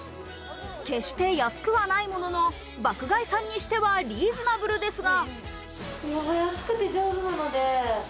決して安くはないものの、爆買いさんにしてはリーズナブルですが。